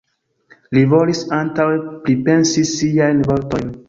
Li volis antaŭe pripensi siajn vortojn.